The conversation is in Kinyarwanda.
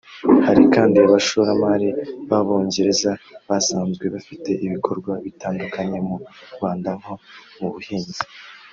Hari kandi abashoramari b’Abongereza basanzwe bafite ibikorwa bitandukanye mu Rwanda nko mu buhinzi